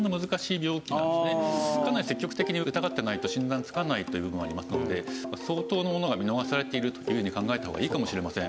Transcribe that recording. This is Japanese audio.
かなり積極的に疑ってないと診断つかないという部分もありますので相当なものが見逃されているというふうに考えた方がいいかもしれません。